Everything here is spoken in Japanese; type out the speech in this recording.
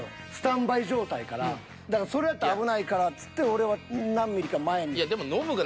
だからそれやったら危ないからつって俺は何ミリか前に。